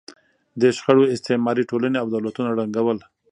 دې شخړو استعماري ټولنې او دولتونه ړنګول.